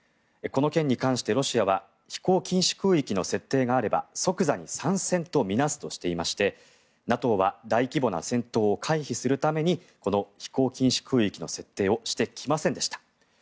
この件に関してロシアは飛行禁止空域の設定があれば即座に参戦と見なすとしていましてＮＡＴＯは大規模な戦闘を回避するためにこの飛行禁止空域の設定をしてきませんでした。